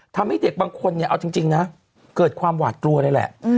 ทำให้เด็กบางคนเนี่ยเอาจริงนะเกิดความหวาดกลัวเลยแหละ